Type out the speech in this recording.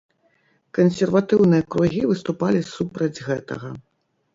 Кансерватыўныя кругі выступалі супраць гэтага.